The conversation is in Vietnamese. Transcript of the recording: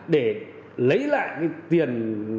để lấy lại cái tiền